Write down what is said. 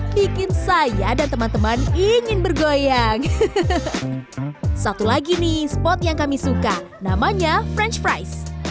bikin saya dan teman teman ingin bergoyang satu lagi nih spot yang kami suka namanya franch frice